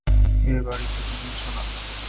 এ বাড়িতে তুমি এসো না।